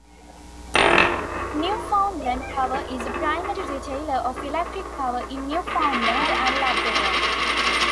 Newfoundland Power is the primary retailer of electric power in Newfoundland and Labrador.